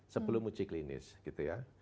sebelum uji klinis gitu ya